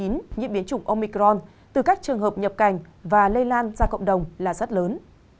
nhiễm biến chủng omicron từ các trường hợp nhập cảnh và lây lan ra cộng đồng là rất lớn